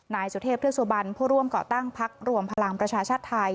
นายสุเทพธิกษุบันผู้ร่วมเกาะตั้งภักดิ์รวมพลังประชาชาไทย